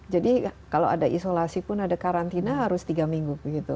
jadi kalau ada isolasi pun ada karantina harus tiga minggu begitu